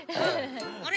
あれ？